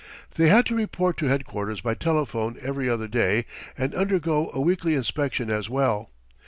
They had to report to headquarters by telephone every other day and undergo a weekly inspection as well.